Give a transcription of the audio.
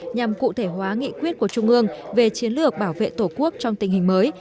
nhằm cụ thể hóa nghị quyết của trung ương về chiến lược bảo vệ tổ quốc trong tình hình mới